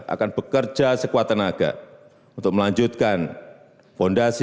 akan bekerja sekuat tenaga untuk melanjutkan fondasi